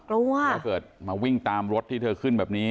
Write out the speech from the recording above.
ถ้าเกิดมาวิ่งตามรถที่เธอขึ้นแบบนี้